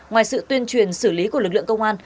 ngoài sự tuyên truyền xử lý của lực lượng công an